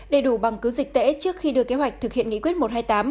đầy đủ bằng cứ dịch tễ trước khi đưa kế hoạch thực hiện nghị quyết một trăm hai mươi tám